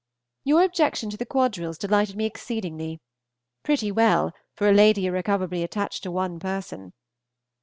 Your objection to the quadrilles delighted me exceedingly. Pretty well, for a lady irrecoverably attached to one person!